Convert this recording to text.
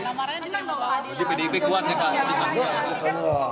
jadi pdip kuat ya kak